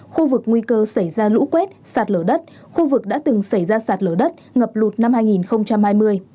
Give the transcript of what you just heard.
khu vực nguy cơ xảy ra lũ quét sạt lở đất khu vực đã từng xảy ra sạt lở đất ngập lụt năm hai nghìn hai mươi